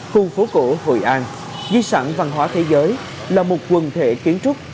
khu phố cổ hội an di sản văn hóa thế giới là một quần thể kiến trúc